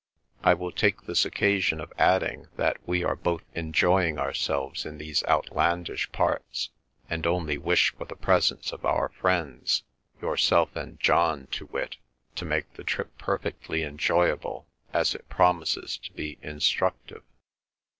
I will take this occasion of adding that we are both enjoying ourselves in these outlandish parts, and only wish for the presence of our friends (yourself and John, to wit) to make the trip perfectly enjoyable as it promises to be instructive.